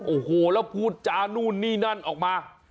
โอ้โหแล้วพูดจานู่นนี่นั่นออกมา